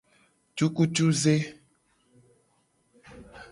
Cukucuze.